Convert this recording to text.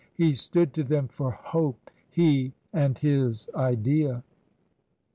He stood to them for hope — he and his Idea.